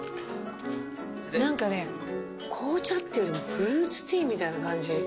何かね紅茶っていうよりもフルーツティーみたいな感じ。